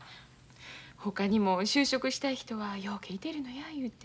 ほかにも就職したい人はようけいてるのや言うて。